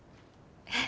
えっ。